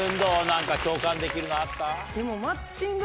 何か共感できるのあった？